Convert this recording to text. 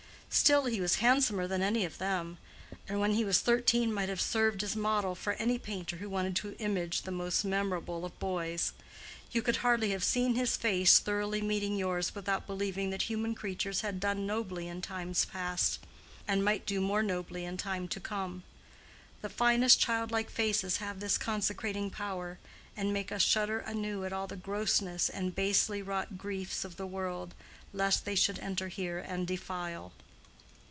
Still he was handsomer than any of them, and when he was thirteen might have served as model for any painter who wanted to image the most memorable of boys: you could hardly have seen his face thoroughly meeting yours without believing that human creatures had done nobly in times past, and might do more nobly in time to come. The finest childlike faces have this consecrating power, and make us shudder anew at all the grossness and basely wrought griefs of the world, lest they should enter here and defile.